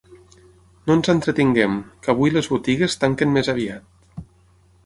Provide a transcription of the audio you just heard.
No ens entretinguem, que avui les botigues tanquen més aviat.